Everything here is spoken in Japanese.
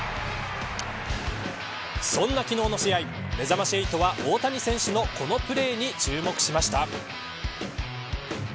そんな昨日の試合、めざまし８は大谷選手のこのプレーに注目しました。